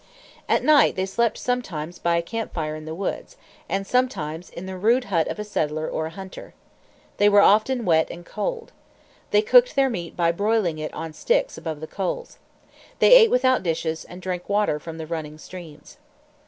At night they slept sometimes by a camp fire in the woods, and sometimes in the rude hut of a settler or a hunter. They were often wet and cold. They cooked their meat by broiling it on sticks above the coals. They ate without dishes, and drank water from the running streams.